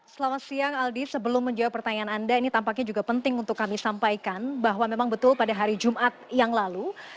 selamat siang aldi sebelum menjawab pertanyaan anda ini tampaknya juga penting untuk kami sampaikan bahwa memang betul pada hari jumat yang lalu